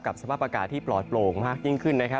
สภาพอากาศที่ปลอดโปร่งมากยิ่งขึ้นนะครับ